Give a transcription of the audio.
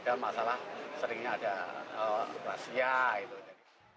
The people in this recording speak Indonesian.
dan masalah seringnya ada razia